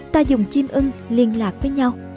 ta dùng chim ưng liên lạc với nhau